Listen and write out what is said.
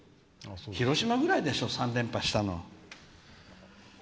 広島ぐらいでしょ、３連覇したの。